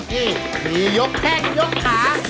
นี่มียกแข้งยกขา